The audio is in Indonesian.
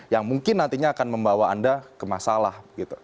yang mungkin nantinya akan membawa anda ke masalah